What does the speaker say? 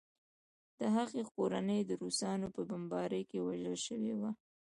د هغې کورنۍ د روسانو په بمبارۍ کې وژل شوې وه